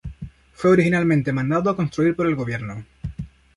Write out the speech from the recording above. Fue originalmente mandado a construir por el Gobierno.